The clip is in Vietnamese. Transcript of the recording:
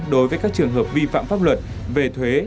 đối với các trường hợp vi phạm pháp luật về thuế